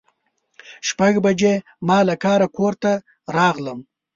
شپږ بجې ما له کاره کور ته راغلم.